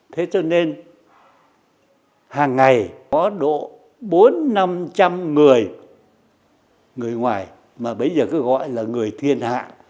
thế cho nên hàng ngày có độ bốn năm trăm linh người ngoài mà bây giờ cứ gọi là người thiên hạ